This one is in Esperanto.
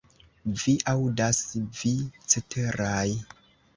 Vi aŭdas, vi ceteraj!